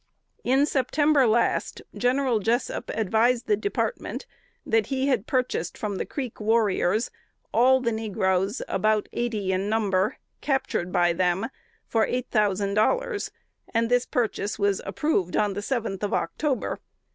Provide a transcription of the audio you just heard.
"In September last, General Jessup advised the Department that he had purchased from the Creek warriors all the negroes (about eighty in number), captured by them, for $8,000, and this purchase was approved on the seventh of October.